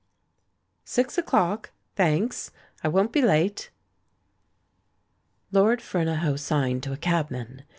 "Six o'clock. Thanks. I won't be late." Lorn Fernahoe signed to a cabman.